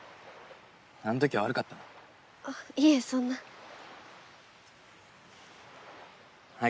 あん時は悪かったなあっいえそんなあ